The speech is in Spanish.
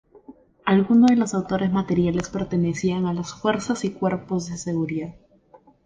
Algunos de los autores materiales pertenecían a las Fuerzas y Cuerpos de Seguridad.